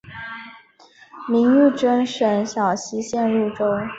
明玉珍省小溪县入州。